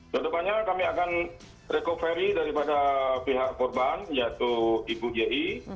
ke depannya kami akan recovery daripada pihak korban yaitu ibu j i